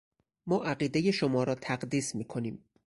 ما عقیدهٔ شما را تقدیس میکنیم.